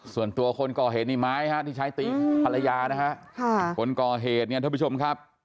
ส่วนตัวคนก่อเหตุที่ใช้ตีภรรยานะคะคนก่อเหตุนะเพราะบีชมครับ